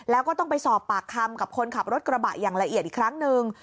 แล้วก็ต้องไปสอบปากคำกับคนขับรถกระบะอย่างละเอียดอีกครั้งหนึ่ง